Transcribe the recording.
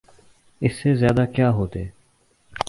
اس سے زیادہ کیا ہوتے؟